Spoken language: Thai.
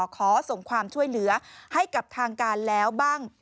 ขอส่งความช่วยเหลือให้กับทางการแล้วบ้าง